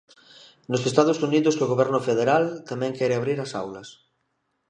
Nos Estados Unidos o Goberno federal tamén quere abrir as aulas.